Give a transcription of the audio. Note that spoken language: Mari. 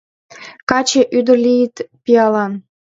Каче, ӱдыр лийыт пиалан.